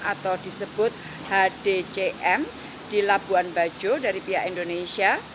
atau disebut hdcm di labuan bajo dari pihak indonesia